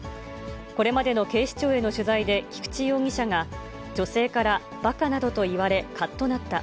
これまでの警視庁への取材で、菊池容疑者が、女性からばかなどと言われ、かっとなった。